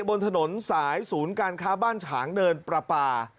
บนถนนสายศูนย์การค้าบ้านฉางเนินประปา